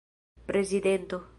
prezidento